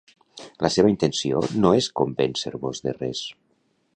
La seva intenció no és convèncer-vos de res.